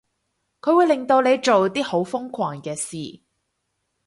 佢會令到你做啲好瘋狂嘅事